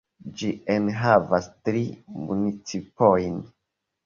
Ĝi enhavas tri municipojn.